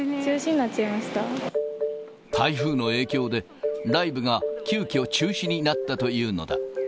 台風の影響で、ライブが急きょ、中止になったというのだ。